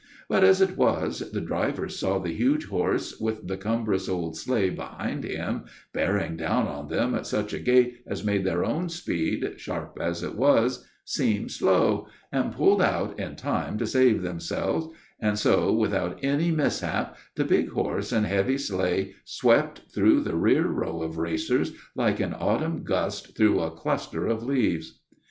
But, as it was, the drivers saw the huge horse, with the cumbrous old sleigh behind him, bearing down on them at such a gait as made their own speed, sharp as it was, seem slow, and "pulled out" in time to save themselves; and so without any mishap the big horse and heavy sleigh swept through the rear row of racers like an autumn gust through a cluster of leaves.